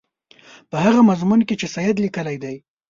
په هغه مضمون کې چې سید لیکلی دی.